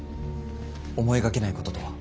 思いがけないこととは？